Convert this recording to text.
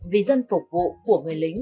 vì dân phục vụ của người lính